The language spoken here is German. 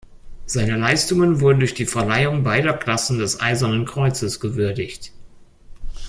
Seine Leistungen wurden durch die Verleihung beider Klassen des Eisernen Kreuzes gewürdigt.